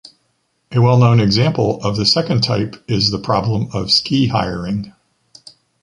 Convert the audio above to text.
A well-known example of the second type is the problem of ski hiring.